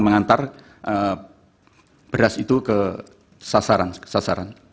mengantar beras itu ke sasaran sasaran